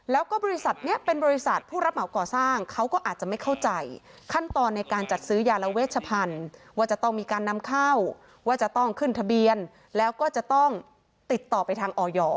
แล้วก็บริษัทนี้เป็นบริษัทผู้รับเหมาก่อสร้างเขาก็อาจจะไม่เข้าใจขั้นตอนในการจัดซื้อยาละเวชพันธุ์ว่าจะต้องมีการนำเข้าว่าจะต้องขึ้นทะเบียนแล้วก็จะต้องติดต่อไปทางออย